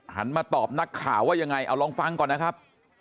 มาตอบนักข่าวว่ายังไงเอาลองฟังก่อนนะครับ